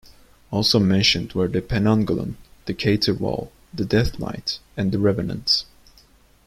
Also mentioned were the penanggalon, the caterwaul, the death knight, and the revenant.